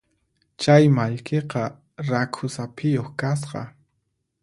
Chay mallkiqa rakhu saphiyuq kasqa.